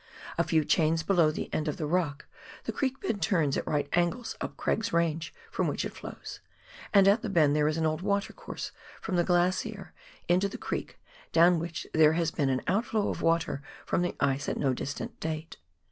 A few chains below the end of the rock the creek bed turns at right angles up Craig's Range, from which it flows, and at the bend there is an old water course from the glacier into the creek, down which there has been an outflow of water from the ice at no distant date.